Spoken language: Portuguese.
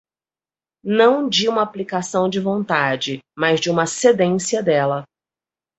não de uma aplicação de vontade, mas de uma cedência dela.